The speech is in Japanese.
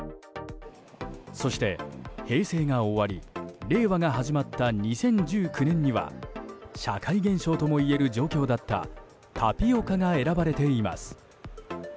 そして、平成が終わり令和が始まった２０１９年には社会現象ともいえる状況だったタピオカが選ばれています。